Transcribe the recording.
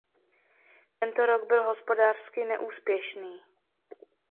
Tento rok byl hospodářsky neúspěšný.